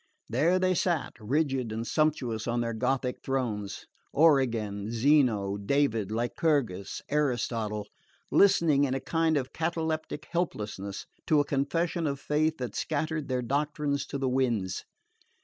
There they sat, rigid and sumptuous on their Gothic thrones: Origen, Zeno, David, Lycurgus, Aristotle; listening in a kind of cataleptic helplessness to a confession of faith that scattered their doctrines to the winds.